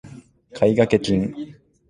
買掛金